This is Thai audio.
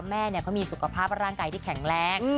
แม่เขามีสุขภาพร่างกายที่แข็งแรง